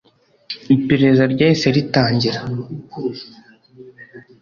Iperereza ryahise ritangira